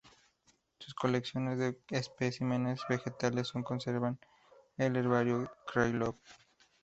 Sus colecciones de especímenes vegetales se conservan en el Herbario Krylov.